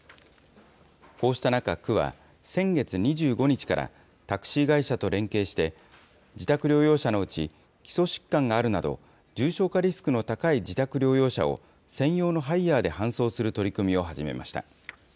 こうした中、区は先月２５日から、タクシー会社と連携して、自宅療養者のうち、基礎疾患があるなど、重症化リスクの高い自宅療養者を、専用のハイヤーで搬送する取り組みを始めました。